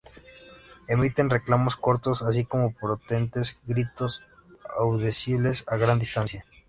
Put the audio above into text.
Emiten reclamos cortos, así como potentes gritos, audibles a gran distancia.